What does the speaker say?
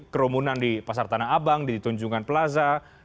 kerumunan di pasar tanah abang di tunjungan plaza